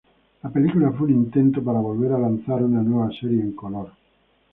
La película fue un intento para volver a lanzar una nueva serie en color.